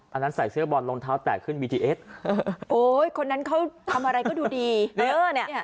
อันนั้นใส่เสื้อบอลรองเท้าแตกขึ้นบีทีเอสโอ้ยคนนั้นเขาทำอะไรก็ดูดีเออเนี่ย